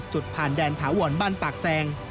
จุดผ่านแดนถาวรบ้านปากแซง